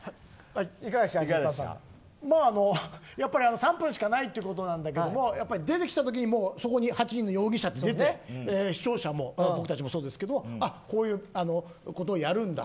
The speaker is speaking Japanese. やっぱり３分しかないということなんだけども出てきたときに、そこに８人の容疑者と出て視聴者も僕たちもそうですがこういうことをやるんだ